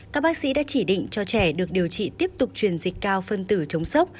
các bác sĩ đã chỉ định cho trẻ được điều trị tiếp tục truyền dịch cao phân tử chống sốc